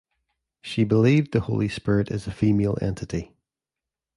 She believed the Holy Spirit is a female entity.